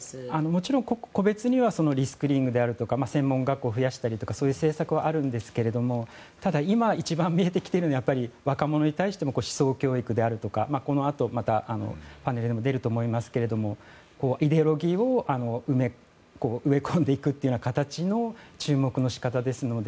もちろん個別にはリスキリングであるとか専門学校を増やしたりという政策はあるんですけどただ、今一番見えてきているのは若者に対しての思想教育であるとかこのあとパネルに出ると思いますがイデオロギーを植えこんでいくという形の中国の仕方ですので。